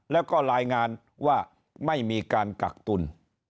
แล้วก็รายงานว่าไม่มีการกักตุล